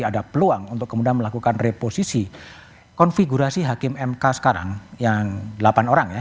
ada peluang untuk kemudian melakukan reposisi konfigurasi hakim mk sekarang yang delapan orang ya